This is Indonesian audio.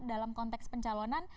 dalam konteks pencalonan